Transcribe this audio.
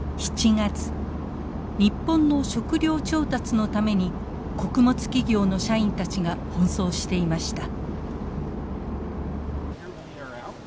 ７月日本の食料調達のために穀物企業の社員たちが奔走していました。